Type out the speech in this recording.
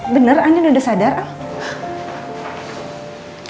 bener andin udah sadar al